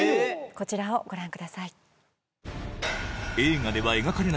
こちらをご覧ください